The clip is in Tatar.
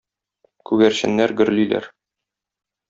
Күгәрченнәр гөрлиләр